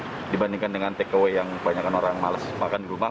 memudahkan banget sih dibandingkan dengan takeaway yang banyak orang males makan di rumah